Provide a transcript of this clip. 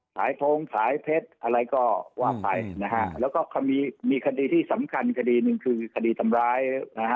หายทงสายเพชรอะไรก็ว่าไปนะฮะแล้วก็มีมีคดีที่สำคัญคดีหนึ่งคือคดีทำร้ายนะฮะ